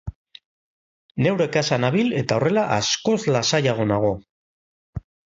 Neure kasa nabil eta horrela askoz lasaiago nago.